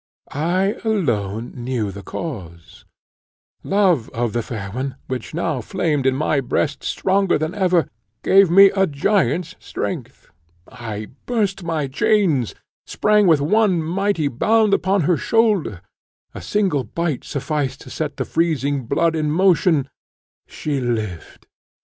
I alone knew the cause; love to the fair one, which now flamed in my breast stronger than ever, gave me a giant's strength; I burst my chains sprang with one mighty bound upon her shoulder a single bite sufficed to set the freezing blood in motion she lived.